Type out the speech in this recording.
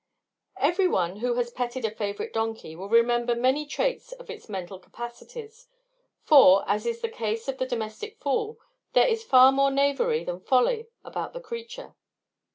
Every one who has petted a favorite donkey will remember many traits of its mental capacities; for, as in the case of the domestic fool, there is far more knavery than folly about the creature.